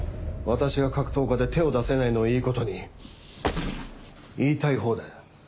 私が格闘家で手を出せないのをいい事に言いたい放題だ。